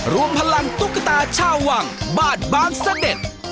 รวมพลังตุ๊กตาชาววังบาดบางเสด็จ